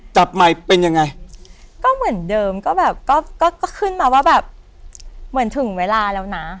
จับใหม่เป็นยังไงก็เหมือนเดิมก็แบบก็ก็ขึ้นมาว่าแบบเหมือนถึงเวลาแล้วนะ